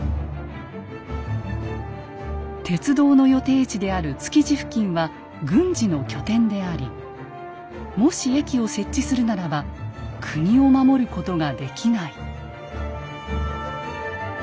「鉄道の予定地である築地付近は軍事の拠点でありもし駅を設置するならば国を守ることができない」。